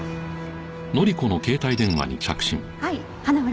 はい花村。